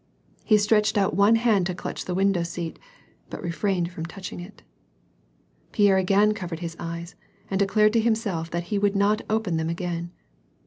He stretched out one hand to clutch the window seat, but refrained from touching it. Pierre again covered his eyes, and declared to himself that he would not open them again.